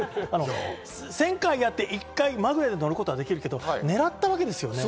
１０００回やって１回まぐれで乗ることはできるけど、狙ったわけですよね。